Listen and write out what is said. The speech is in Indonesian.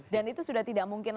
dan itu sudah tidak mungkin lah